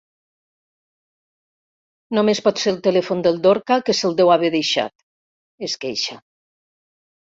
Només pot ser el telèfon del Dorca, que se'l deu haver deixat —es queixa—.